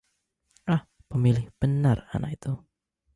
ah, pemilih benar anak itu